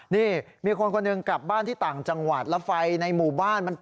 นี่มีคนคนหนึ่งกลับบ้านที่ต่างจังหวัดแล้วไฟในหมู่บ้านมัน